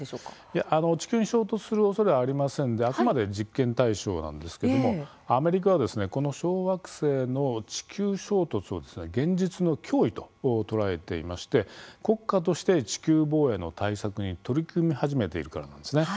いや、地球に衝突するおそれはありませんであくまで実験対象なんですけどもアメリカは、この小惑星の地球衝突を現実の脅威と捉えていまして国家として地球防衛の対策に取り組み始めているからなんです。